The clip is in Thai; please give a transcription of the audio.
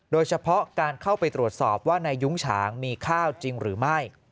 โดยเฉพาะการเข้าไปตรวจสอบว่าในยุ้งฉางมีข้าวจริงหรือไม่